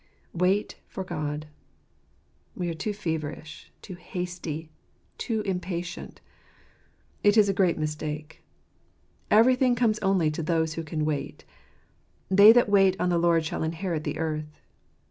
Wait for God / We are too feverish, too hasty, too impatient. It is a great mistake. Everything comes only to those who can wait. " They that wait on the Lord shall inherit the earth."